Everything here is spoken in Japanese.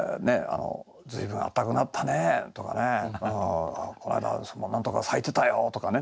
「随分暖かくなったね」とかね「この間は何とか咲いてたよ」とかね